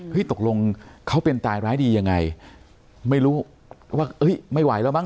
ตกลงเขาเป็นตายร้ายดียังไงไม่รู้ว่าเอ้ยไม่ไหวแล้วมั้